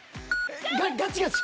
ガチガチ。